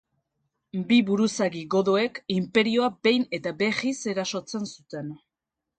Bi buruzagi godoek inperioa behin eta berriz erasotzen zuten.